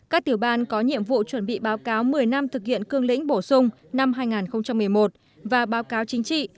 các tiểu ban có nhiệm vụ chuẩn bị báo cáo một mươi năm thực hiện cương lĩnh bổ sung năm hai nghìn một mươi một và báo cáo chính trị